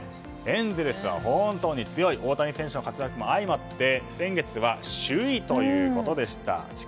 エンゼルスは本当に強い大谷選手の活躍も相まって先月は地区で首位でした。